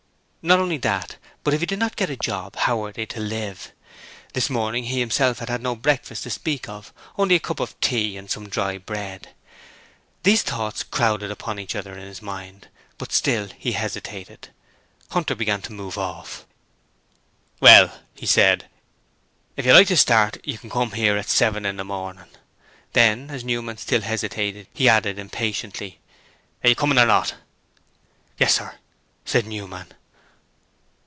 Not only that, but if he did not get a job how were they to live? This morning he himself had had no breakfast to speak of, only a cup of tea and some dry bread. These thoughts crowded upon each other in his mind, but still he hesitated. Hunter began to move off. 'Well,' he said, 'if you like to start you can come here at seven in the morning.' Then as Newman still hesitated he added impatiently, 'Are you coming or not?' 'Yes, sir,' said Newman.